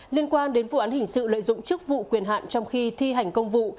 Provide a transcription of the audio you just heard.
liên quan đến vụ án hình sự lợi dụng chức vụ quyền hạn trong khi thi hành công vụ